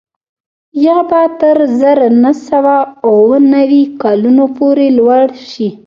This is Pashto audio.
یا به تر زر نه سوه اووه نوي کلونو پورې لوړ شي